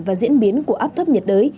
và diễn biến của áp thấp nhiệt đới